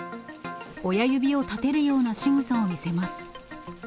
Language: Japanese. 親指を立てるようなしぐさを見せます。